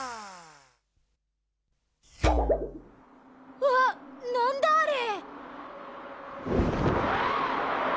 うわっなんだあれ。